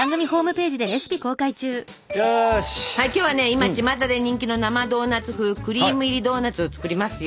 今ちまたで人気の生ドーナツ風クリーム入りドーナツを作りますよ。